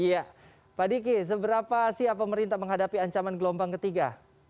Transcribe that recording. iya pak diki seberapa siap pemerintah menghadapi ancaman gelombang ketiga